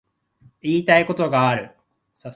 言いたいことがある